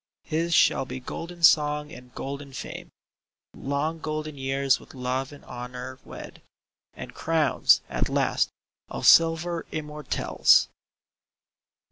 His shall be golden song and golden fame — Long golden years with love and honor wed — And crowns, at last, of silver immortelles